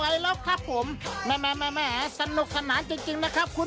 ยาหู